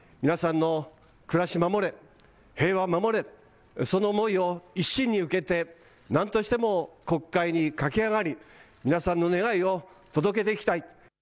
皆さんの暮らし守れ、平和を守れその思いを一身に受けて何としても国会に駆け上がり、皆さんの願いを届けていきたい。